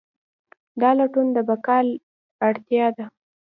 دا لټون د بقا اړتیا ده.